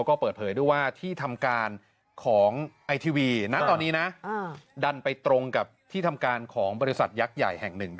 เดี๋ยวต้องรอดูว่าพี่แยมถามประณี